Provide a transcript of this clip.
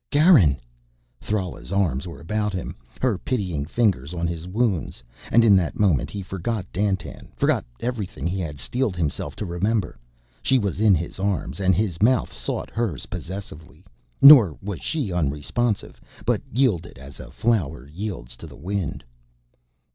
"Garin!" Thrala's arms were about him, her pitying fingers on his wounds. And in that moment he forgot Dandtan, forgot everything he had steeled himself to remember. She was in his arms and his mouth sought hers possessively. Nor was she unresponsive, but yielded, as a flower yields to the wind.